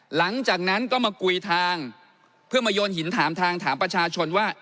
หลังจากนั้นก็มากุยทางเพื่อมาโยนหินถามทางถามประชาชนว่า